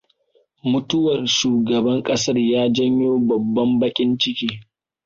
Mutuwar shugaban ƙasar ya janyo babban baƙin ciki.